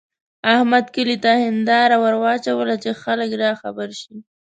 احمد کلي ته هېنداره ور واچوله چې خلګ راخبر شي.